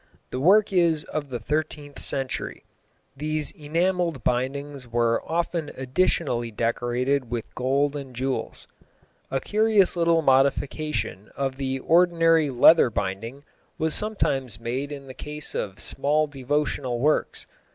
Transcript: The work is of the thirteenth century. These enamelled bindings were often additionally decorated with gold and jewels. A curious little modification of the ordinary leather binding was sometimes made in the case of small devotional works.